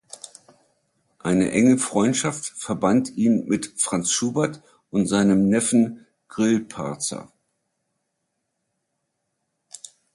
Eine enge Freundschaft verband ihn mit Franz Schubert und seinem Neffen Grillparzer.